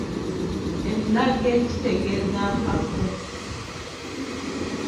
Ennage kitegeeza Mpafu.